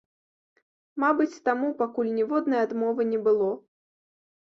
Мабыць, таму пакуль ніводнай адмовы не было.